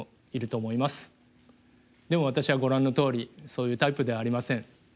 でも私はご覧のとおりそういうタイプではありません。